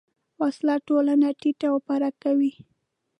وسله ټولنه تیت و پرک کوي